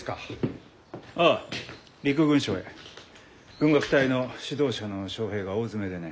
軍楽隊の指導者の招へいが大詰めでね。